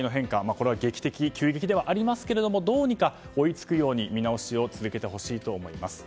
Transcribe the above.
これは劇的、急激ではありますけれどもどうにか追いつくように見直しを続けてほしいと思います。